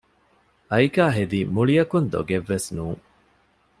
އައިކާ ހެދީ މުޅިއަކުން ދޮގެއްވެސް ނޫން